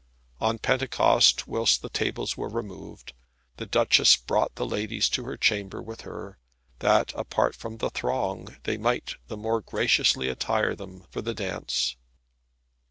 On Pentecost, whilst the tables were removed, the Duchess brought the ladies to her chamber with her, that, apart from the throng, they might the more graciously attire them for the dance.